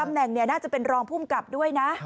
ตำแหน่งนี้น่าจะเป็นรองผู้มกับด้วยนะ